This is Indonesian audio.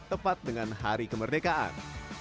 tepat dengan hari kemerdekaan